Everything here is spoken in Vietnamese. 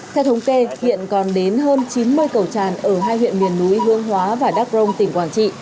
theo thống kê hiện còn đến hơn chín mươi cầu tràn ở hai huyện miền núi hương hóa và đắk rông tỉnh quảng trị